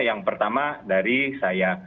yang pertama dari saya